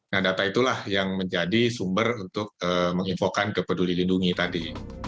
nah data itulah yang menjadi sumber untuk menginfokan ke peduli lindungi tadi